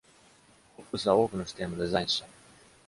ホッブスは多くの私邸もデザインした。